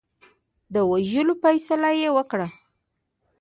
د وژلو فیصله یې وکړه.